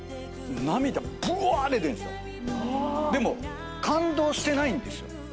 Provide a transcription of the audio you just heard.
でも感動してないんですよ。